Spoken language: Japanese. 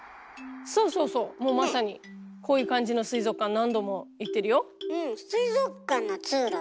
そうそうそうもうまさにこういう感じの水族館何度も行ってるよ。